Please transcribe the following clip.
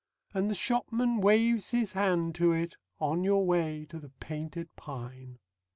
And the shopman waves his hand to it on your way to the Painted Pine.